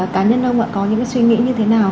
cá nhân ông ạ có những suy nghĩ như thế nào